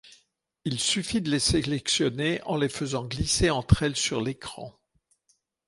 Il suffit de les sélectionner en les faisant glisser entre elles sur l'écran.